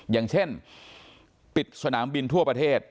อย่างเช่นปิดสนามบินทั่วประเทศ